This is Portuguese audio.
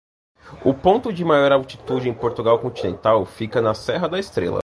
O ponto de maior altitude em Portugal Continental fica na Serra da Estrela.